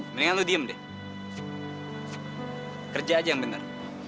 mendingan lu diem deh kerja aja yang benar